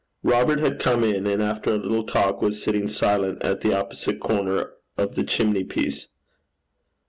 Robert had come in, and after a little talk was sitting silent at the opposite corner of the chimney piece.